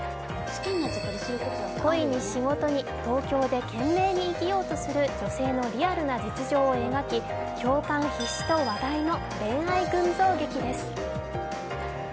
恋に仕事で東京で懸命に生きようとする女性のリアルな実情を描き、共感必至と話題の恋愛群像劇です。